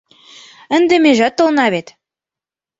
Ынде межат толна вет.